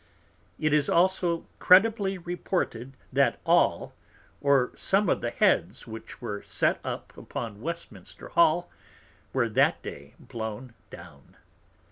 It is also credibly reported, That all, or some of the Heads which were set up upon Westminster Hall, were that Day blown down.